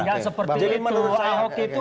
ahok itu harus dilihat